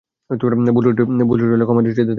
ভুলত্রুটি হলে ক্ষমার দৃষ্টিতে দেখবেন।